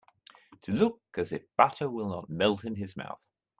To look as if butter will not melt in his mouth.